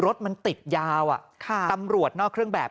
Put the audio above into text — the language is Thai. รถมันติดยาวตำรวจนอกเครื่องแบบ